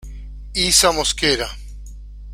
Isa Mosquera.